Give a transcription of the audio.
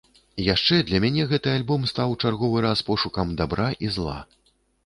Яшчэ для мяне гэты альбом стаў чарговы раз пошукам дабра і зла.